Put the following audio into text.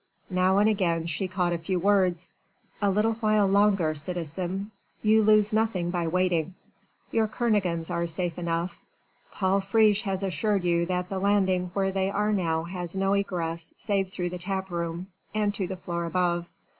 Now and again she caught a few words: "A little while longer, citizen ... you lose nothing by waiting. Your Kernogans are safe enough. Paul Friche has assured you that the landing where they are now has no egress save through the tap room, and to the floor above.